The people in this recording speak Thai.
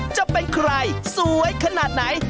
จะเป็นใครสวยขนาดไหน